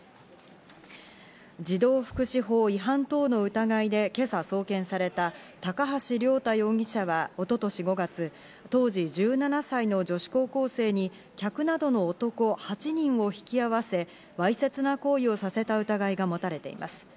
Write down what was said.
児童福祉法違反等の疑いで今朝送検された高橋亮太容疑者は一昨年５月、当時１７歳の女子高校生に客などの男８人を引き合わせ、わいせつな行為をさせた疑いが持たれています。